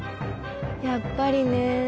やっぱりね。